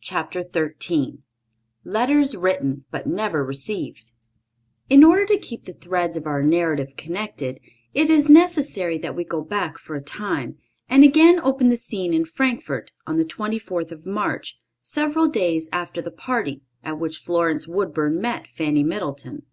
CHAPTER XIII LETTERS WRITTEN BUT NEVER RECEIVED In order to keep the threads of our narrative connected, it is necessary that we go back for a time, and again open the scene in Frankfort, on the 24th of March, several days after the party, at which Florence Woodburn met Fanny Middleton.